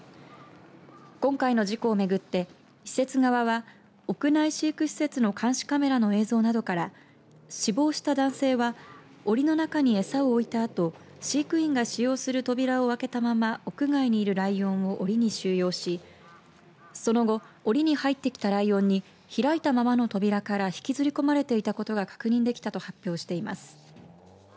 今回の事故を巡って施設側は屋内飼育施設の監視カメラの映像などから死亡した男性はおりの中に餌を置いたあと飼育員が使用する扉を開けたまま屋外にいるライオンをおりに収容しその後おりに入ってきたライオンに開いたままの扉から引きずり込まれていたことが確認できたと発表しています。